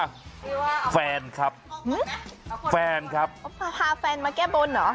คือว่าฟันครับฟันครับอ๋อพาแฟนมาแก้บนเหรอ